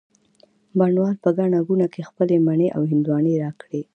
بڼ وال په ګڼه ګوڼه کي خپلې مڼې او هندواڼې را کړې